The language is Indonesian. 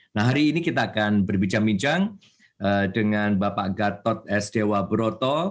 nah hari ini kita akan berbincang bincang dengan bapak gatot s dewa broto